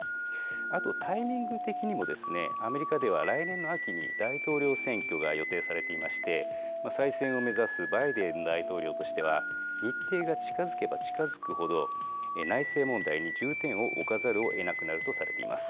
あと、タイミング的にも、アメリカでは来年の秋に大統領選挙が予定されていまして、再選を目指すバイデン大統領としては、日程が近づけば近づくほど、内政問題に重点を置かざるをえなくなるとされています。